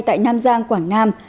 tại nam giang quảng nam